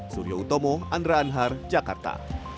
surya utomo andra anhar jakarta